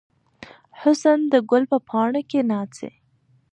حسن د ګل په پاڼو کې ناڅي.